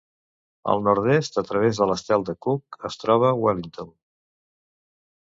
Al nord-est a través de l'estret de Cook es troba Wellington.